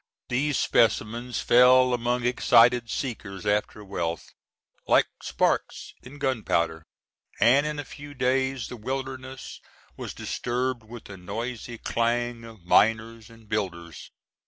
These specimens fell among excited seekers after wealth like sparks in gunpowder, and in a few days the wilderness was disturbed with the noisy clang of miners and builders.